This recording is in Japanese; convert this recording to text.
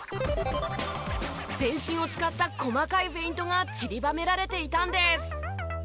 全身を使った細かいフェイントがちりばめられていたんです。